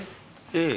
ええ。